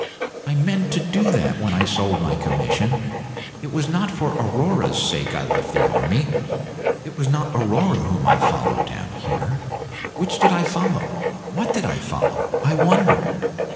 I meant to do that when I sold my commission. It was not for Aurora's sake I left the army, it was not Aurora whom I followed down here. Which did I follow? What did I follow, I wonder?